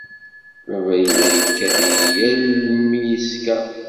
Baba yella yekkat-iyi yal mi yeskeṛ.